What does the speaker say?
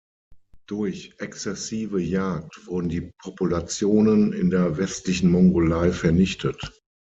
Durch exzessive Jagd wurden die Populationen in der westlichen Mongolei vernichtet.